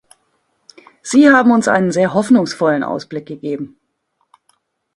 Sie haben uns einen sehr hoffnungsvollen Ausblick gegeben.